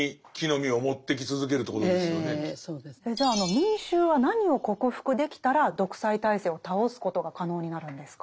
民衆は何を克服できたら独裁体制を倒すことが可能になるんですか？